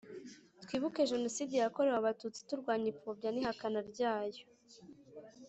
Twibuke Jenoside yakorewe Abatutsi turwanya ipfobya n ihakana ryayo